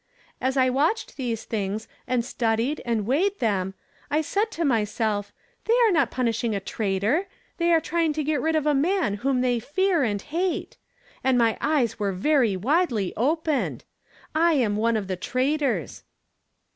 As I watched these things, and studied and weighed them, I said to myself, ; Ihey are not punishing a traitor; they are try ing to get rid of a man whom they fear and hate.' And my eyes were very widely openec:, I am one of the ' traitors.'